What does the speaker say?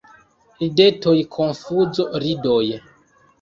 Ridetoj, konfuzo, ridoj.